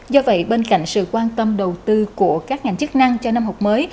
do vậy bên cạnh sự quan tâm đầu tư của các ngành chức năng cho năm học mới